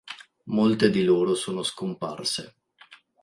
Molte di loro sono scomparse.